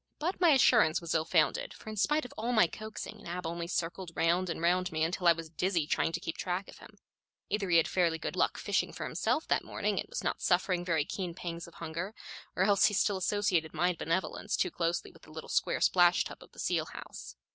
But my assurance was ill founded, for in spite of all my coaxing, Nab only circled round and round me until I was dizzy trying to keep track of him. Either he had had fairly good luck fishing for himself that morning, and was not suffering very keen pangs of hunger, or else he still associated my benevolence too closely with the little square splash tub of the seal house.